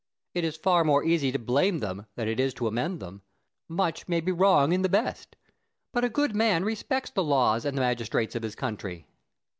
It is far more easy to blame them than it is to amend them, much may be wrong in the best: but a good man respects the laws and the magistrates of his country.